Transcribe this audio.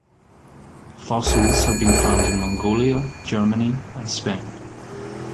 Fossils have been found in Mongolia, Germany, and Spain.